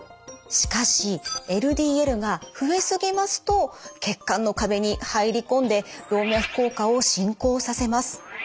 しかしＬＤＬが増えすぎますと血管の壁に入り込んで動脈硬化を進行させます。